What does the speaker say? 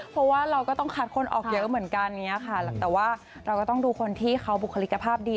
เพราะว่าเราก็ต้องคัดคนออกเยอะเหมือนกันอย่างนี้ค่ะแต่ว่าเราก็ต้องดูคนที่เขาบุคลิกภาพดี